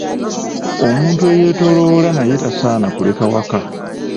Omuntu eyeetoolatoola naye tasaana kuleka waka.